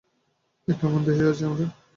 এ কেমন দেশে আছি আমরা?